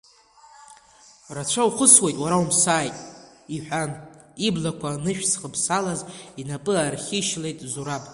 Рацәа ухысуеит уара умсааит, – иҳәан, иблақәа анышә зхыԥсалаз инапы аархишьылеит Зураб.